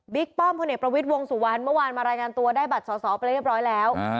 ป้อมพลเอกประวิทย์วงสุวรรณเมื่อวานมารายงานตัวได้บัตรสอสอไปเรียบร้อยแล้ว